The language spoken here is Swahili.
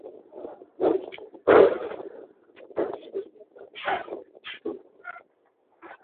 pumzi kutoka kwa mnyama aliyeathirika Pia ugonjwa huu unaweza kuambukiza kupitia matone ya mkojo